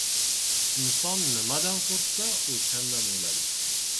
• Inson nimadan qo‘rqsa, o‘shandan o‘ladi.